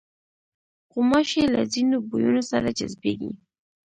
غوماشې له ځینو بویونو سره جذبېږي.